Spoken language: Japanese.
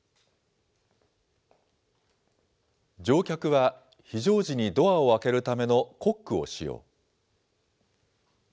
乗客は非常時にドアを開けるためのコックを使用。